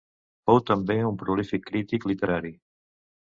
Fou també un prolífic crític literari.